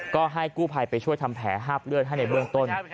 ก็ให้กู้ภัยไปช่วยทำแผลหาบเลือดให้ในเบื้องต้น